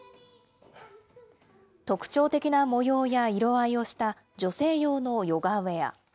特徴的な模様や色合いをした、女性用のヨガウエア。